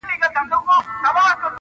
دا کيسه پوښتنه پرېږدي تل تل,